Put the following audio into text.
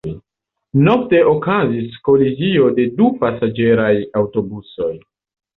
Nokte okazis kolizio de du pasaĝeraj aŭtobusoj.